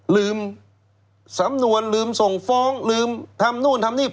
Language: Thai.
ลืมสำนวนลืมส่งฟ้องลืมทำนู่นทำนี่